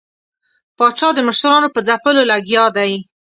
پاچا د مشرانو په ځپلو لګیا دی.